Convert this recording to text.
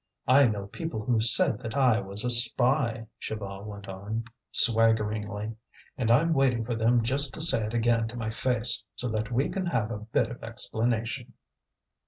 "I know people who've said that I was a spy," Chaval went on swaggeringly, "and I'm waiting for them just to say it again to my face, so that we can have a bit of explanation."